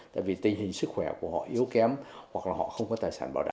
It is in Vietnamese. tại vì tình hình sức khỏe của họ yếu kém hoặc là họ không có tài sản bảo đảm